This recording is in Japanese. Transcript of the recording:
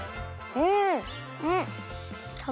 うん。